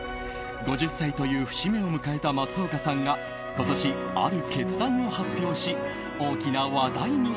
５０歳という節目を迎えた松岡さんが今年、ある決断を発表し大きな話題に。